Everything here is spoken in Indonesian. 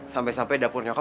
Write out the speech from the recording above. sampe sampe dapur nyokap